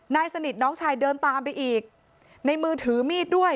นายสนิทน้องชายเดินตามไปอีกในมือถือมีดด้วย